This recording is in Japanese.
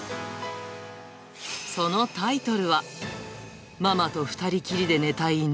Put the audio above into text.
そのタイトルは、ママと２人きりで寝たい犬。